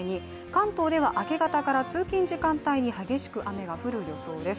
関東では明け方から通勤時間帯に激しく雨が降る予想です。